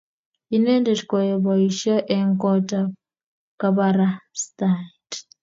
Inendet koyae boishei eng kot ab kabarastaet